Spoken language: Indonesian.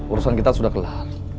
urusan kita sudah kelar